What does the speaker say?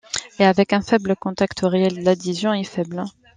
Et avec un faible contact réel, l'adhésion est faible.